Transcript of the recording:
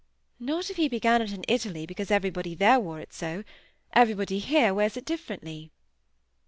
"Not if he began it in Italy because everybody there wore it so. Everybody here wears it differently."